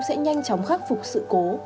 sẽ nhanh chóng khắc phục sự cố